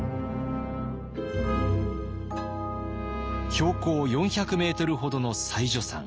標高４００メートルほどの妻女山。